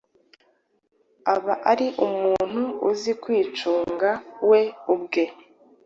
aba ari umuntu uzi kwicunga we ubwe